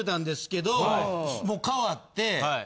もう変わって。